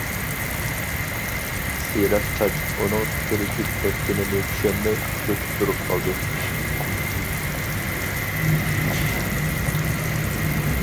سېرىق چاچ ئۇنىڭ تېرىكىپ كەتكىنىنى چۈشەنمەي چۆچۈپ تۇرۇپ قالدى.